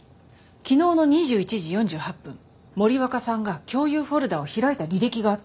昨日の２１時４８分森若さんが共有フォルダーを開いた履歴があったんです。